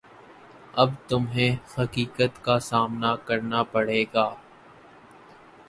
اب تمہیں حقیقت کا سامنا کرنا پڑے گا